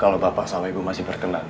kalau bapak sama ibu masih berkenan